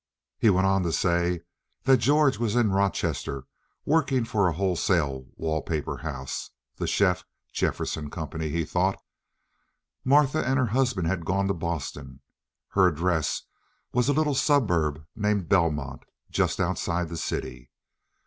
He went on to say that George was in Rochester, working for a wholesale wall paper house—the Sheff Jefferson Company, he thought. Martha and her husband had gone to Boston. Her address was a little suburb named Belmont, just outside the city.